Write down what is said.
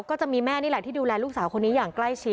ก็จะมีแม่นี่แหละที่ดูแลลูกสาวคนนี้อย่างใกล้ชิด